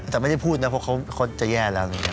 แต่ไม่ได้พูดนะเพราะเขาจะแย่แล้ว